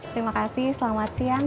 terima kasih selamat siang